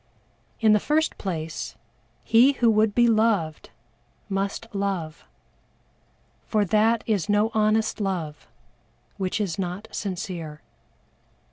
In the first place, he who would be loved must love for that is no honest love which is not sincere.